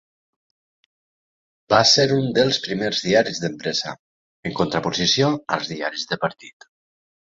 Va ser un dels primers diaris d'empresa, en contraposició als diaris de partit.